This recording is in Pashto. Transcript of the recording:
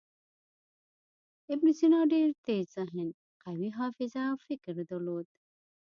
ابن سینا ډېر تېز ذهن، قوي حافظه او فکر درلود.